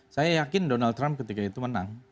saya yakin donald trump ketika itu menang